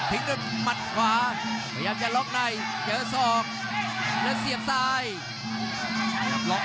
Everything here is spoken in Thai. ด้วยหมัดขวาพยายามจะล็อกในเจอศอกแล้วเสียบซ้าย